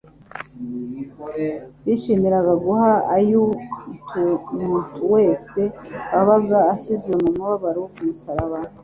Bishimiraga guha iuntmtu wese wabaga ashyizwe mu mubabaro wo ku musaraba